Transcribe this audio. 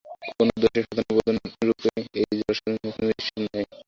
কোন উদ্দেশ্য-সাধনের প্রয়োজনরূপে এই জড়জগতের স্থান সেই সর্বব্যাপী ঈশ্বরে নাই।